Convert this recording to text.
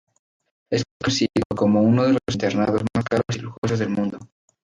Es conocido como uno de los internados más caros y lujosos del mundo.